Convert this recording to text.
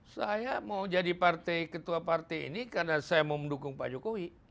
saya mau jadi ketua partai ini karena saya mau mendukung pak jokowi